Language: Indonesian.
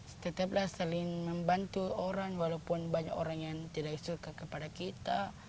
setiap kali selalu membantu orang walaupun banyak orang yang tidak suka kepada kita